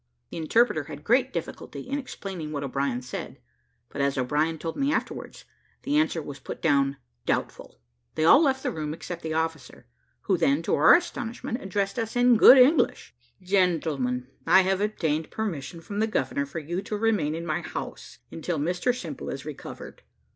The interpreter had great difficulty in explaining what O'Brien said; but as O'Brien told me afterwards, the answer was put down doubtful. They all left the room except the officer, who then, to our astonishment, addressed us in good English: "Gentlemen, I have obtained permission from the governor for you to remain in my house, until Mr Simple is recovered.